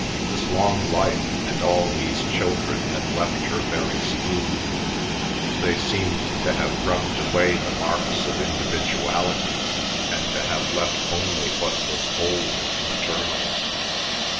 This long life and all these children had left her very smooth; they seemed to have rubbed away the marks of individuality, and to have left only what was old and maternal.